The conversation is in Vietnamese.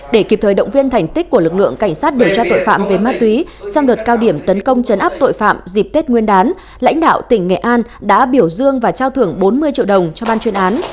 để kịp thời động viên thành tích của lực lượng cảnh sát điều tra tội phạm về ma túy trong đợt cao điểm tấn công chấn áp tội phạm dịp tết nguyên đán lãnh đạo tỉnh nghệ an đã biểu dương và trao thưởng bốn mươi triệu đồng cho ban chuyên án